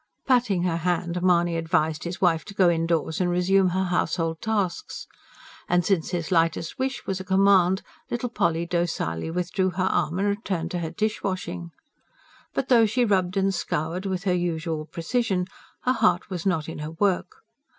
Patting her hand, Mahony advised his wife to go indoors and resume her household tasks. And since his lightest wish was a command, little Polly docilely withdrew her arm and returned to her dishwashing. But though she rubbed and scoured with her usual precision, her heart was not in her work.